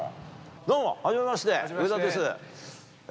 どうも、はじめまして、上田です。